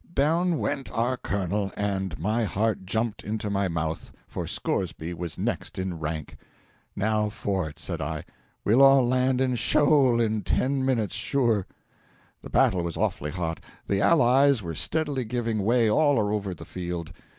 down went our colonel, and my heart jumped into my mouth, for Scoresby was next in rank! Now for it, said I; we'll all land in Sheol in ten minutes, sure. The battle was awfully hot; the allies were steadily giving way all over the field.